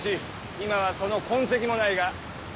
今はその痕跡もないが。